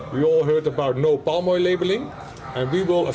kita semua pernah mendengar tentang labelan sawit tidak ada